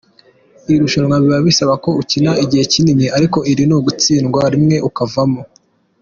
Irushanwa biba bisa ko ukina igihe kinini ariko iri ni ugutsindwa rimwe ukavamo.